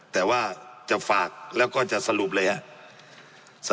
แต่ว่าจะฝากแล้วก็จะสรุปเลยครับ